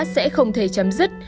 sẽ không thể chấm dứt